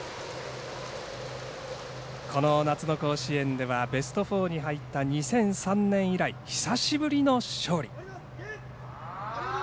この夏の甲子園ではベスト４に入った２００３年以来、久しぶりの勝利。